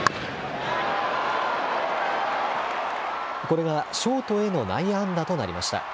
これがショートへの内野安打となりました。